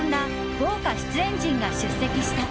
豪華出演陣が出席した。